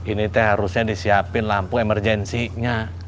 ini teh harusnya disiapin lampu emergensinya